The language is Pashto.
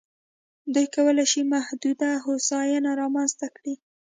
دوی کولای شي محدوده هوساینه رامنځته کړي.